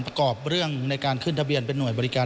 ประกอบเรื่องในการขึ้นทะเบียนเป็นห่วยบริการ